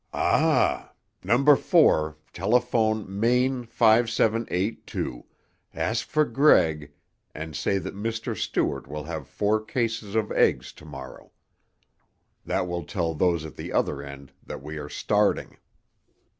"Ah! Number Four, telephone Main 5782, ask for Gregg, and say that Mr. Stewart will have four cases of eggs to morrow. That will tell those at the other end that we are starting."